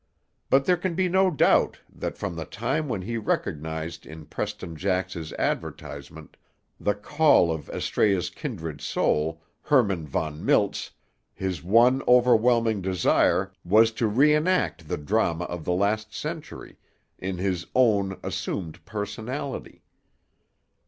But there can be no doubt that from the time when he recognized in Preston Jax's advertisement, the call of Astræa's kindred soul, Hermann von Miltz, his one overwhelming desire was to reenact the drama of the last century, in his own assumed personality.